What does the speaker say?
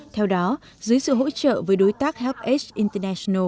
theo đó dưới sự hỗ trợ với đối tác hs international